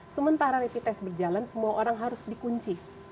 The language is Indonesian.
sementara rapid test berjalan semua orang harus dikunci